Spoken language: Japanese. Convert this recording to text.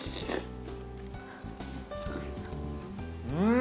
うん！